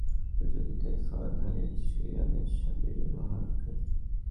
সংযুক্ত আরব আমিরাতের আল-আইন শহরে অনুষ্ঠানরত প্রতিযোগিতায় ফাহাদ হারিয়েছে ইরানের সাবেরি মহানকে।